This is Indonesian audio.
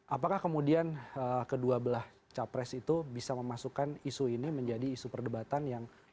apakah kemudian kedua belah capres itu bisa memasukkan isu ini menjadi isu perdebatan yang